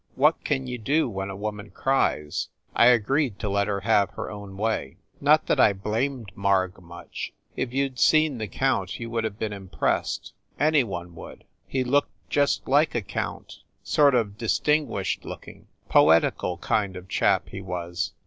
What can you do when a woman cries ? I agreed to let her have her own way. Not that I blamed Marg much. If you d seen the count you d have been impressed. Any one would. He looked just like a count sort of distinguished looking, poetical kind of chap, he was.